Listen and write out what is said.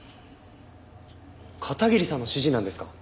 片桐さんの指示なんですか？